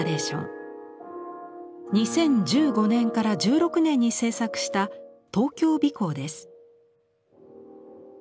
２０１５年から１６年に制作した「東京尾行」です。